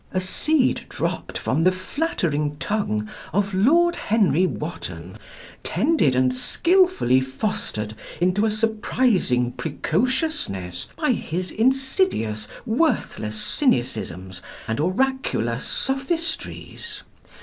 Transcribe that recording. A seed dropped from the flattering tongue of Lord Henry Wotton, tended and skilfully fostered into a surprising precociousness by his insidious, worthless cynicisms, and oracular sophistries.